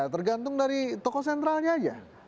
tergantung dari tokoh sentralnya aja